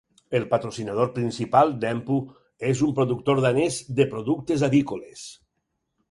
El patrocinador principal, Danpo, és un productor danès de productes avícoles.